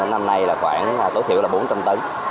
năm nay tối thiểu là khoảng bốn trăm linh tấn